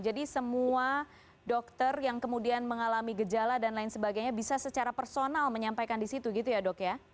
jadi semua dokter yang kemudian mengalami gejala dan lain sebagainya bisa secara personal menyampaikan di situ gitu ya dok ya